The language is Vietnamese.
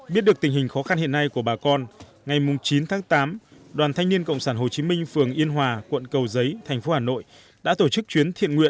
biết được tình hình khó khăn hiện nay của bà con ngày chín tháng tám đoàn thanh niên cộng sản hồ chí minh phường yên hòa quận cầu giấy thành phố hà nội đã tổ chức chuyến thiện nguyện